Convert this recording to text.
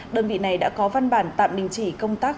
đơn vị này đã có văn bản tạm đình chỉ công tác